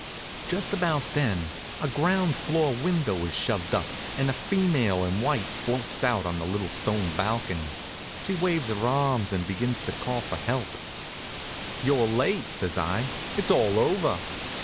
Just about then a ground floor window is shoved up, and a female in white floats out on a little stone balcony. She waves her arms and begins to call for help. "You're late," says I. "It's all over."